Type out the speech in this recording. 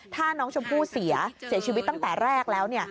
ถ้าน้องชมพู่เสียชีวิตตั้งแต่แรกแล้ว